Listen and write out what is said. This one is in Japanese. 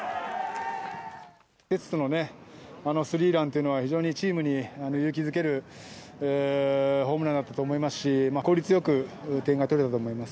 哲人のね、あのスリーランっていうのは、非常にチームに勇気づけるホームランになったと思いますし、効率よく点が取れたと思います。